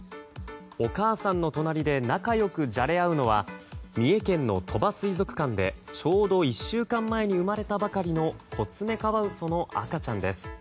お母さんの隣で仲良くじゃれ合うのは三重県の鳥羽水族館でちょうど１週間前に生まれたばかりのコツメカワウソの赤ちゃんです。